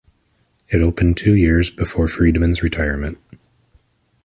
It opened two years before Friedman's retirement.